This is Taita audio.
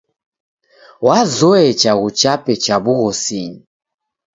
Wazoye chaghu chape cha w'ughosinyi.